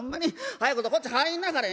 早いことこっちに入んなはれ。